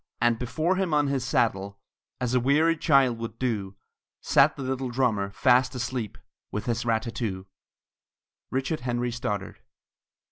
And before him on his saddle, As a weary child would do, Sat the little drummer, fast asleep, With his rat tat too. RICHARD HENRY STODDARD.